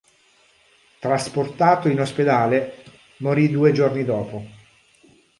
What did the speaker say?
Trasportato in ospedale, morì due giorni dopo.